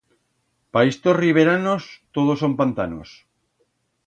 Pa istos riberanos todo son pantanos.